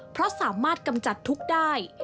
เพราะสามารถกำจัดทุกข์ได้